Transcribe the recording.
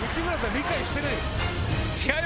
理解してない。